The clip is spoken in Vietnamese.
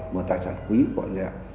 một tài sản quý quả nhẹ